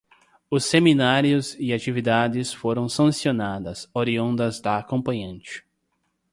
Os seminários e atividades foram sancionadas, oriundas da acompanhante